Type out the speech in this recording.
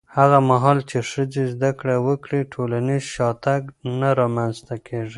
هغه مهال چې ښځې زده کړه وکړي، ټولنیز شاتګ نه رامنځته کېږي.